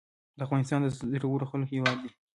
افغانستان د زړورو خلکو هیواد دی